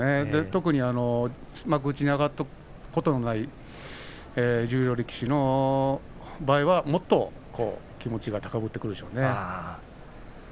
特に幕内に上がったことのない十両力士の場合はもっと気持ちが高まってくるでしょうね。